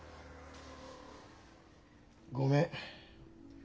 ごめん。